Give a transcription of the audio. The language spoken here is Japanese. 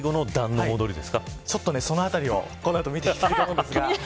そのあたりを、この後見ていきたいと思うんですが。